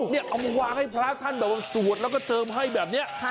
เอามาวางให้พระท่านแบบว่าสวดแล้วก็เจิมให้แบบนี้